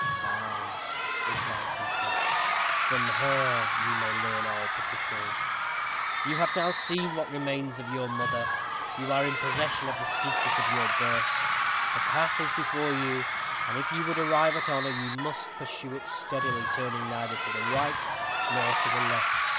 "Ah," replied Peter, "from her you may learn all particulars. You have now seen what remains of your mother. You are in possession of the secret of your birth. The path is before you, and if you would arrive at honor you must pursue it steadily, turning neither to the right nor to the left.